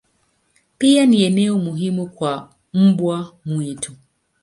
Pia ni eneo muhimu kwa mbwa mwitu.